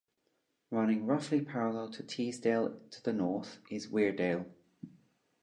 Running roughly parallel to Teesdale to the north is Weardale.